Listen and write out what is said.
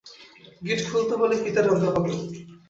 গিট খুলতে হলে ফিতা টানতে হবে।